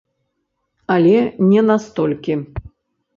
Але не на столькі.